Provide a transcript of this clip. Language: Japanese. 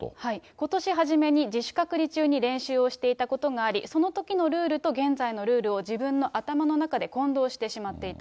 ことし初めに自主隔離中に練習をしていたことがあり、そのときのルールと、現在のルールを自分の頭の中で混同してしまっていた。